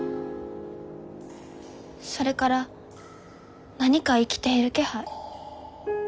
それから何か生きている気配。